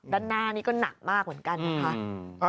ด้านหน้านี่ก็หนักมากเหมือนกันนะคะ